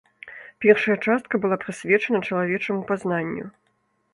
Першая частка была прысвечана чалавечаму пазнанню.